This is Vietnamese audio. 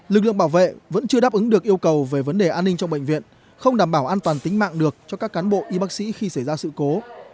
lực lượng bảo vệ vẫn chưa đáp ứng được yêu cầu về vấn đề an ninh trong bệnh viện không đảm bảo an toàn tính mạng được cho các cán bộ y bác sĩ khi xảy ra sự cố